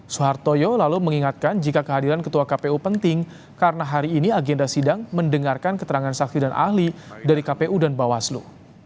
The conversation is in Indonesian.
soehartoyo lalu mengingatkan jika kehadiran ketua kpu penting karena hari ini agenda sidang mendengarkan keterangan saksi dan ahli dari kpu dan bawaslu